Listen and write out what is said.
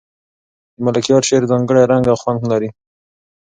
د ملکیار شعر ځانګړی رنګ او خوند لري.